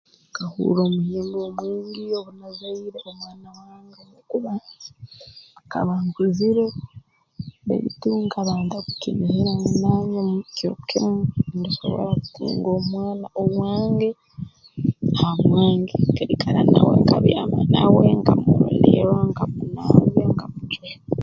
Nkahurra omuhimbo mwingi obu nazaire omwana wange ow'okubanza nkaba nkuzire baitu nkaba ntakukinihira ngu nanye kiro kimu ndisobora kutunga omwana owange ha bwange nkaikara nawe nkabyama nawe nkamurolerra nkamunabya nkamujweka